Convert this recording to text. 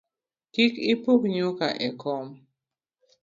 Kik ipuk nyuka e kom